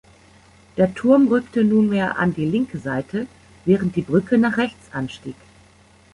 Der Turm rückte nunmehr an die linke Seite, während die Brücke nach rechts anstieg.